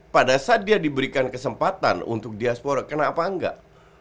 pada saat dia diberikan kesempatan untuk diaspora kenapa enggak